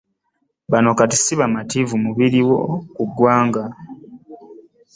Bano kati si bamativu ku biriwo mu ggwanga.